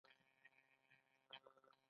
د کاجو دانه د زړه لپاره وکاروئ